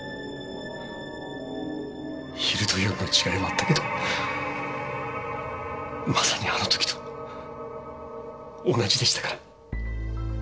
昼と夜の違いはあったけどまさにあの時と同じでしたから。